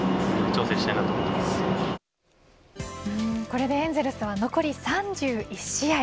これでエンゼルスは残り３１試合。